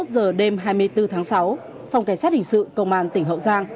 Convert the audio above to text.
một mươi giờ đêm hai mươi bốn tháng sáu phòng cảnh sát hình sự công an tỉnh hậu giang